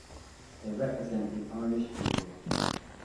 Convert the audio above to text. They represent the Irish people.